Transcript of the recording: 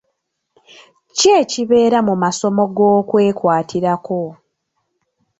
Ki ekibeera mu masomo g'okwekwatirako?